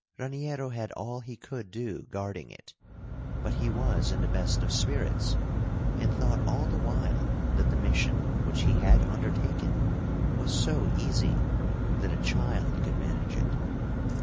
Raniero had all he could do guarding it, but he was in the best of spirits and thought all the while that the mission which he had undertaken was so easy that a child could manage it.